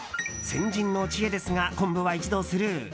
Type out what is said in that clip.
先人の知恵ですが昆布は一度スルー。